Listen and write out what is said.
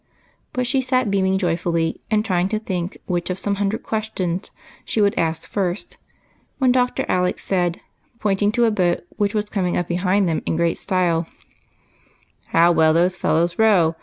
But she sat beaming joyfully and trying to think which of some hundred questions she would ask first, when Dr. Alec said, pointing to a boat that was coming up behind them in great style, —" How well those fellows row